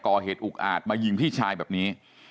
ก่อเหตุอุกอาจมายิงพี่ชายแบบนี้